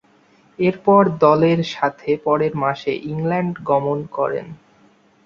এরপর, দলের সাথে পরের মাসে ইংল্যান্ড গমন করেন।